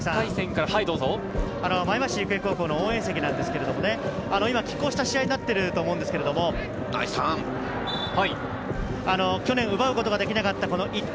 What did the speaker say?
前橋育英高校の応援席ですけど、拮抗した試合になっていると思うんですけど、去年奪うことができなかった１点。